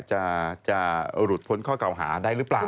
จะหลุดพ้นข้อเก่าหาได้หรือเปล่า